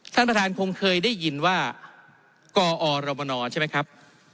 ท่านประธานคงเคยได้ยินว่ากอรมนใช่ไหมครับ